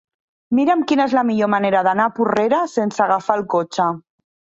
Mira'm quina és la millor manera d'anar a Porrera sense agafar el cotxe.